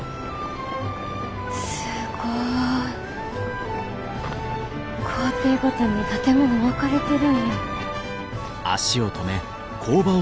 すごい。工程ごとに建物分かれてるんや。